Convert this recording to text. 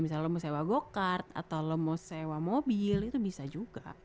misalnya lo mau sewa go kart atau lo mau sewa mobil itu bisa juga